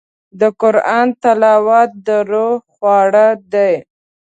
د قرآن تلاوت د روح خواړه دي.